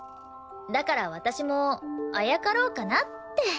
だから私もあやかろうかなって。